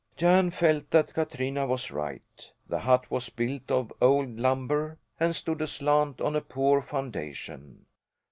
Jan felt that Katrina was right. The hut was built of old lumber and stood aslant on a poor foundation.